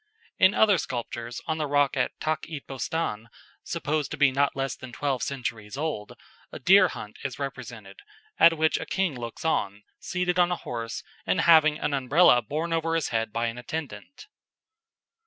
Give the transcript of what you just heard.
In other sculptures on the rock at Takht i Bostan, supposed to be not less than twelve centuries old, a deer hunt is represented, at which a king looks on, seated on a horse, and having an Umbrella borne over his head by an attendant.